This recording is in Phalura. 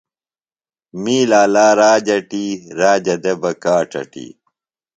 می لا لا راج اٹی، راجہ دےۡ بہ کاڇ اٹی